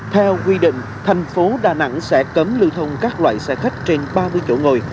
theo quy định thành phố đà nẵng sẽ cấm lưu thông các loại xe khách trên ba mươi chỗ ngồi